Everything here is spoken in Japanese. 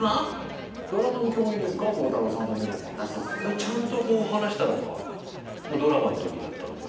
ちゃんと話したのがドラマの時だったんで。